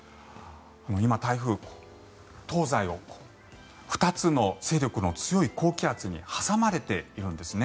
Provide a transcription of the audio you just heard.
今、台風東西を２つの勢力の強い高気圧に挟まれているんですね。